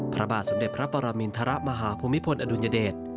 พระบาทสมเด็จพระปรมินทรมาฮภูมิพลอดุลยเดช